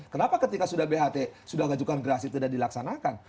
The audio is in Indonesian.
kenapa ketika sudah bht sudah mengajukan gerasi tidak dilaksanakan